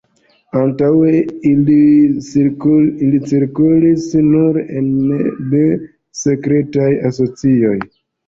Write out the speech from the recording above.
Antaŭe ili cirkulis nur ene de sekretaj asocioj.